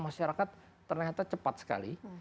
masyarakat ternyata cepat sekali